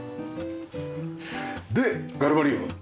でガルバリウム。